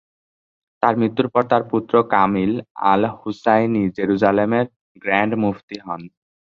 তার মৃত্যুর পর তার পুত্র কামিল আল-হুসাইনি জেরুসালেমের গ্র্যান্ড মুফতি হন।